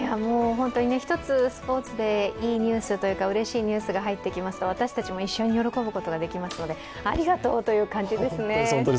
本当に、一つスポーツでうれしいニュースが入ってきますと私たちも一緒に喜ぶことができますので、ありがとうという感じですね。